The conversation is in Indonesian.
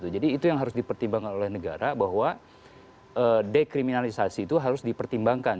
jadi itu yang harus dipertimbangkan oleh negara bahwa dekriminalisasi itu harus dipertimbangkan